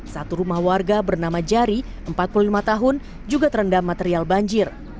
satu rumah warga bernama jari empat puluh lima tahun juga terendam material banjir